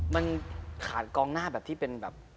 มันขาดกองหน้าแบบที่เป็นแบบ